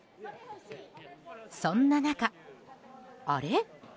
そんな中、あれ？